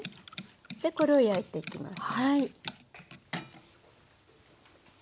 でこれを焼いていきます。